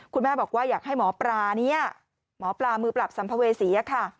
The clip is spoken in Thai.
คุณแม่บอกว่าอยากให้หมอปลาเนี่ยหมอปลามือปราบสัมภเวษีค่ะ